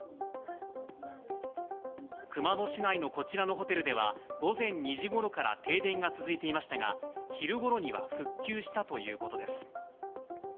熊野市内のこちらのホテルでは、午前２時ごろから停電が続いていましたが、昼ごろには復旧したということです。